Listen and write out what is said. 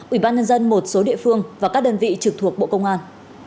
ủy ban nhân dân một số địa phương và các đơn vị trực thuộc bộ công an